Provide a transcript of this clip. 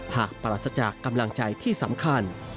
ปราศจากกำลังใจที่สำคัญ